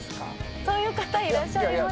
そういう方いらっしゃいます？